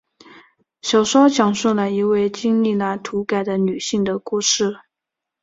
小说讲述了一位经历了土改的女性的故事。